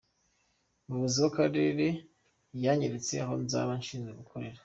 Umuyobozi w’akarere yanyeretse aho nzaba nshinzwe gukorera.